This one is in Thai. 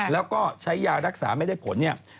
แล้วก็ใช้ยารักษาไม่ได้ผล